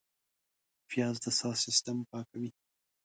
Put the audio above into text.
پیاز د ساه سیستم پاکوي